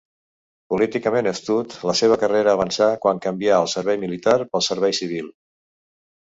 Políticament astut, la seva carrera avançà quan canvià el servei militar pel servei civil.